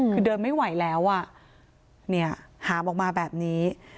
คือเดินไม่ไหวแล้วหามออกมาแบบนี้